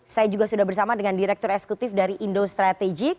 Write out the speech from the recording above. saya juga sudah bersama dengan direktur eksekutif dari indo strategik